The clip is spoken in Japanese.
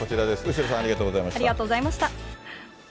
後呂さん、ありがとうございました。